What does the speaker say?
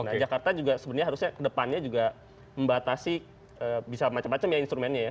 nah jakarta juga sebenarnya harusnya kedepannya juga membatasi bisa macam macam ya instrumennya ya